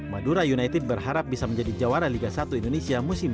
madura united bisa menjadi jawara liga satu indonesia musim dua ribu delapan belas